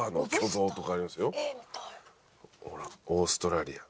ほらオーストラリア。